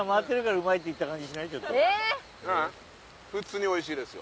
ううん普通においしいですよ。